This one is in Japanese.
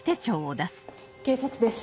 警察です。